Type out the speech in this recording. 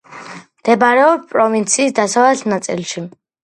მდებარეობს პროვინციის დასავლეთ ნაწილში.